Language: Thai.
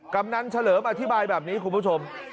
กำนันเฉลิมอธิบายแบบนี้คุณผู้ชม